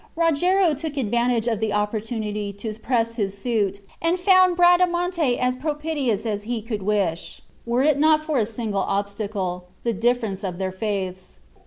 Rogero took advantage of the opportunity to press his suit, and found Bradamante as propitious as he could wish, were it not for a single obstacle, the difference of their faiths.